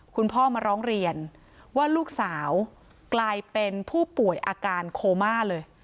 คุณพ่อมาร้องเรียนว่าลูกสาวกลายเป็นผู้ป่วยอาการโคม่าเลย